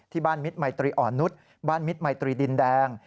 บ้านมิตรมัยตรีอ่อนนุษย์บ้านมิตรมัยตรีดินแดง